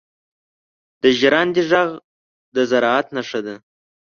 • د ژرندې ږغ د زراعت نښه ده.